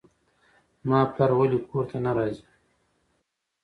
زما پلار ولې کور ته نه راځي.